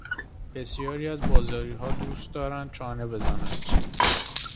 بسیاری از بازاریها دوست دارند چانه بزنند.